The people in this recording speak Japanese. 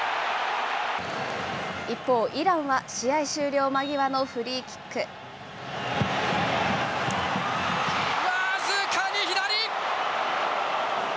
一方、イランは試合終了間際のフ僅かに左。